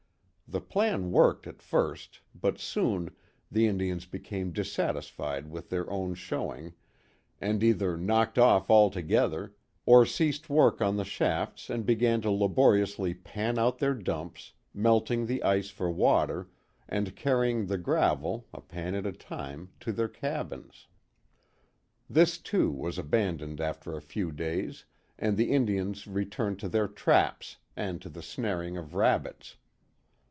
The plan worked at first, but soon, the Indians became dissatisfied with their own showing, and either knocked off altogether, or ceased work on the shafts and began to laboriously pan out their dumps, melting the ice for water, and carrying the gravel, a pan at a time, to their cabins. This too, was abandoned after a few days, and the Indians returned to their traps, and to the snaring of rabbits.